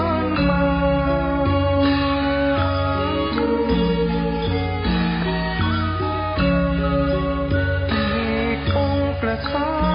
ทรงเป็นน้ำของเรา